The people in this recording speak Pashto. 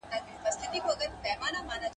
که ماشوم بیا وخاندي، د انا زړه به بڼ شي.